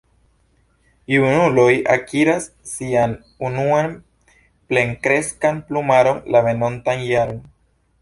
Junuloj akiras sian unuan plenkreskan plumaron la venontan jaron.